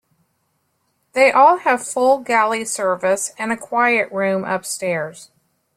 They all have full galley service and a "quiet room" upstairs.